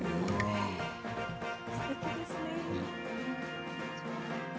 すてきですね。